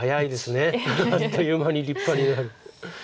もうあっという間に立派になる。